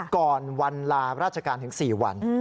ก่อนวันลาราชการถึง๔วัน